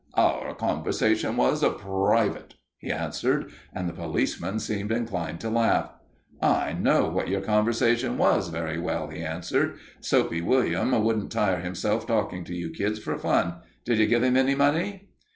"Our conversation was private," he answered, and the policeman seemed inclined to laugh. "I know what your conversation was, very well," he answered. "Soapy William wouldn't tire himself talking to you kids for fun. Did you give him any money?"